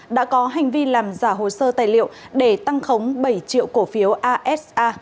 đã có hành vi làm giả hồ sơ tài liệu để tăng khống bảy triệu cổ phiếu asa